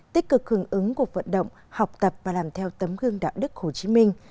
tích cực hưởng ứng cuộc vận động học tập và làm theo tấm gương đạo đức hồ chí minh